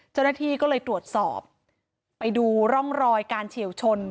เจ้าหน้าที่ก็เลยตรวจสอบไปดูร่องรอยการเฉียวชน